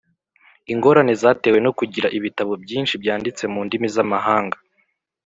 Ingorane zatewe no kugira ibitabo byinshi byanditse mu ndimi z’amahanga